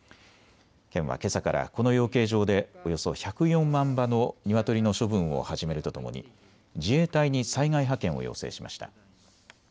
県はけさからこの養鶏場でおよそ１０４万羽のニワトリの処分を始めるとともに自衛隊に災害派遣を要請しました。